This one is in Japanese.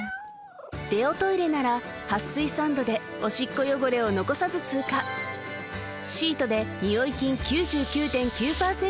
デオトイレなら撥水サンドでオシッコ汚れを残さず通過シートでニオイ菌９９．９％